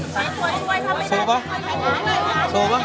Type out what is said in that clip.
ถ้าเปิดมาน่าเป็นแข่ง